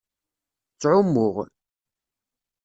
Ttɛummuɣ.